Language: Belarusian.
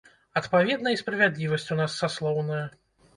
Адпаведна, і справядлівасць у нас саслоўная.